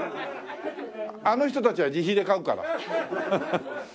あの人たちは自費で買うから。